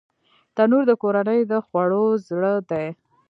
تنور د کورنۍ د خوړو زړه دی